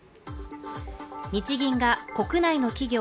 日銀が国内の企業